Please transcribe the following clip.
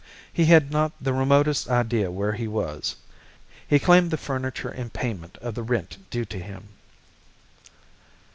He had not the remotest idea where he was. He claimed the furniture in payment of the rent due to him."